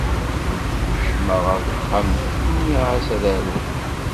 Kecmeɣ ɣer texxamt nniɣ-as ad aruɣ.